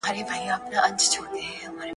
پښتو ته د خدمت په کاروان کې شامل شئ.